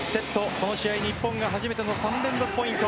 この試合、日本が初めての３連続ポイント。